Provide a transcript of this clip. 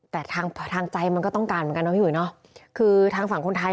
แต่ทางทางใจมันก็ต้องการแล้วอยู่เนาะคือทางฝั่งคนไทย